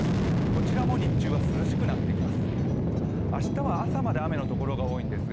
こちらも日中は涼しくなってきます。